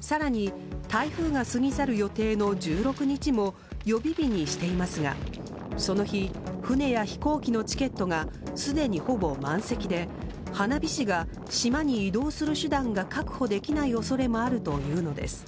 更に、台風が過ぎ去る予定の１６日も予備日にしていますがその日、船や飛行機のチケットがすでにほぼ満席で花火師が島に移動する手段が確保できない恐れもあるというのです。